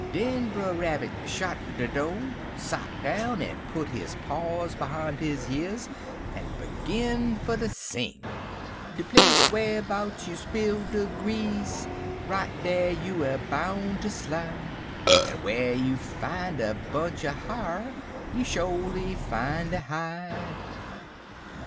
Den Brer Rabbit shot de do' en sot down, en put his paws behime his years en begin fer ter sing: "'De place wharbouts you spill de grease, Right dar you er boun' ter slide, An' whar you fin' a bunch er ha'r, You'll sholy fine de hide.'